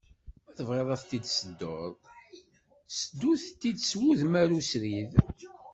Ma tebɣiḍ ad tent-id-tsedduḍ seddu-tent-id s wudem arusrid.